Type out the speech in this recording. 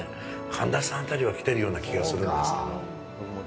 神田さんあたりは来てるような気がするんですけど。